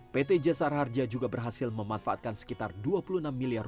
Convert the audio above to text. pt jasar harja juga berhasil memanfaatkan sekitar rp dua puluh enam miliar